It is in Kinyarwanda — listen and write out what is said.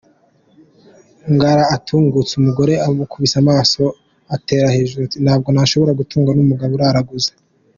Ngara atungutse umugore umukubise amaso atera hejuru, ati “Ntabwo nashobora gutungwa n’umugabo uraraguza.